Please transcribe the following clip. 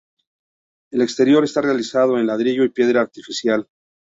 El exterior está realizado en ladrillo y piedra artificial.